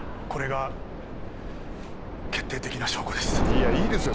いやいいですよ